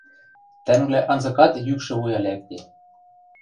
тӓнгвлӓ анзыкат йӱкшӹ вуя лӓкде.